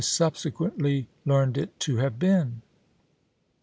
subsequently learned it to have been."